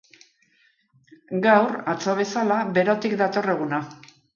Gaur, atzo bezala, berotik dator eguna.